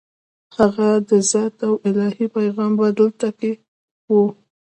هغه د ذات او الهي پیغام په لټه کې و.